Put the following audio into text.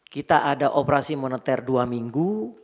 kita ada operasi moneter dua minggu